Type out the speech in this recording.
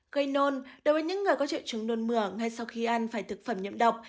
gây nôn đối với những người có triệu chứng nôn mửa ngay sau khi ăn phải thực phẩm nhậm độc